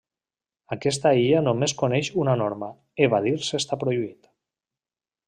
Aquesta illa només coneix una norma: evadir-se està prohibit.